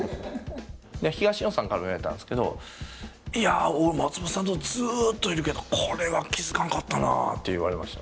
東野さんからも言われたんですけど「いや俺松本さんとずっといるけどこれは気付かんかったなあ」って言われました。